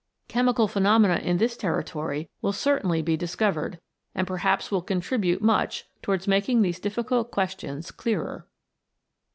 Chemical pheno mena in this territory will certainly be discovered, and perhaps will contribute much towards making these difficult questions clearer.